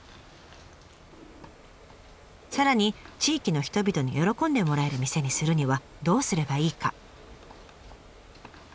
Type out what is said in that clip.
さらに地域の人々に喜んでもらえる店にするにはどうすればいいか。